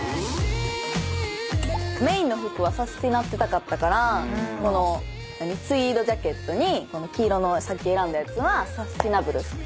メインの服はサスティな！ってたかったからこのツイードジャケットに黄色のさっき選んだやつはサスティナブル。